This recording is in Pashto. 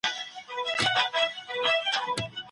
زوم او ناوې دې د تشويش له ځايونو څخه لرې اوسي.